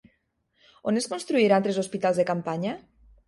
On es construiran tres hospitals de campanya?